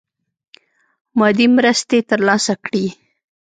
مادي مرستي تر لاسه کړي.